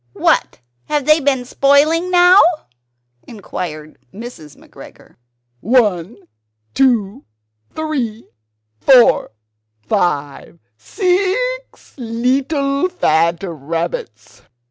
What have they been spoiling now?" enquired Mrs. McGregor. "One, two, three, four, five, six leetle fat rabbits!"